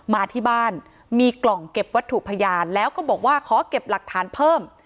มาที่บ้านมีกล่องเก็บวัตถุพยานแล้วก็บอกว่าขอเก็บหลักฐานเพิ่ม